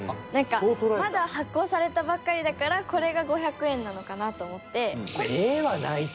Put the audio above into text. なんかまだ発行されたばかりだからこれが５００円なのかなと思って。